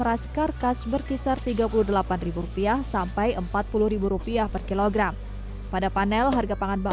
ras karkas berkisar tiga puluh delapan rupiah sampai empat puluh rupiah per kilogram pada panel harga pangan